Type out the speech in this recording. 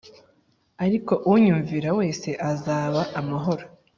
ariko unyumvira wese azaba amahoro